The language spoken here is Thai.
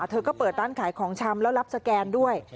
เธอก็เปิดร้านขายของชำแล้วรับสแกนด้วย